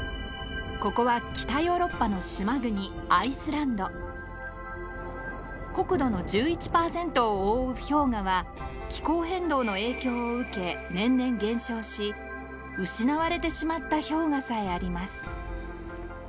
ここは北ヨーロッパの島国国土の１１％を覆う氷河は気候変動の影響を受け年々減少し失われてしまった氷河さえあります。